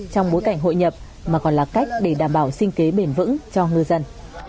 trong bối cảnh hội nhập mà còn là cách để đảm bảo sinh kế bền vững cho ngư dân